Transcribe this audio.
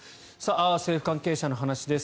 政府関係者の話です。